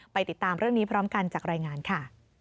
ติดตามเรื่องนี้พร้อมกันจากรายงานค่ะ